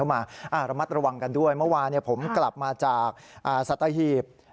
มาระมัดระวังกันด้วยเมื่อวานผมกลับมาจากสัตหีบ